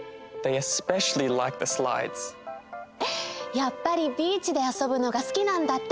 やっぱりビーチであそぶのがすきなんだって。